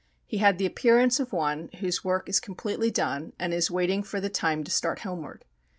He had the appearance of one whose work is completely done, and is waiting for the time to start homeward.